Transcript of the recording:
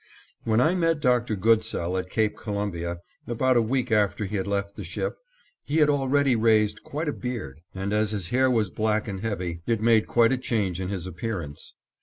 When I met Dr. Goodsell at Cape Columbia, about a week after he had left the ship, he had already raised quite a beard, and, as his hair was black and heavy, it made quite a change in his appearance.